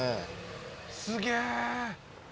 すげえ！